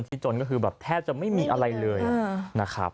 ที่จนก็คือแบบแทบจะไม่มีอะไรเลยนะครับ